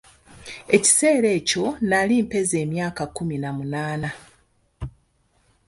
Ekiseera ekyo nnali mpeza emyaka kkumi na munaana.